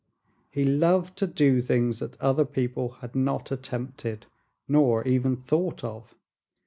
He loved to do things that other people had not attempted, nor even thought of.